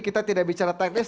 kita tidak bicara teknis